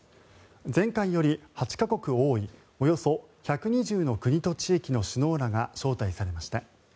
前回より８か国多いおよそ１２０の国と地域の首脳らが招待されました。